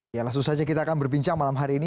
ya langsung saja kita akan berbincang malam hari ini